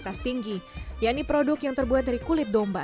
turki perkenalkan produk kulit dan juga bulu domba nya